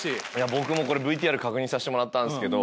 僕もＶＴＲ確認させてもらったけど。